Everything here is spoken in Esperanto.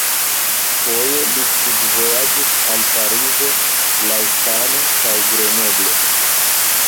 Foje li studvojaĝis al Parizo, Lausanne kaj Grenoble.